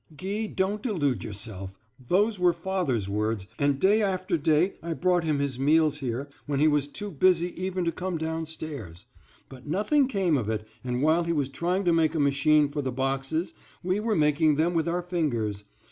"Guy, don't delude yourself; those were father's words, and day after day I brought him his meals here, when he was too busy even to come downstairs; but nothing came of it, and while he was trying to make a machine for the boxes, we were making them with our fingers.